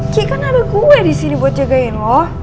ki kan ada gue disini buat jagain lo